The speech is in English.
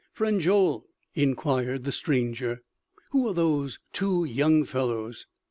"Friend Joel," inquired the stranger, "who are those two young fellows?